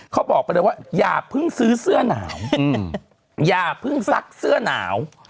เขาบอกไปเลยว่าอย่าเพิ่งซื้อเสื้อหนาวอย่าเพิ่งซักเสื้อหนาว